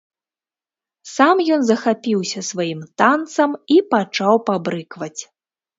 Сам ён захапіўся сваім танцам і пачаў пабрыкваць.